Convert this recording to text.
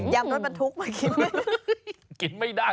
ยำรสมันทุกข์มากินไม่ได้